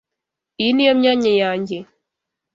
Iyi niyo myanya yanjye.